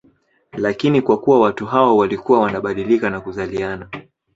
Lakini kwa kuwa watu hao walikuwa wanabadilika na kuzaliana